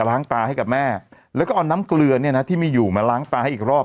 ล้างตาให้กับแม่แล้วก็เอาน้ำเกลือเนี่ยนะที่มีอยู่มาล้างตาให้อีกรอบ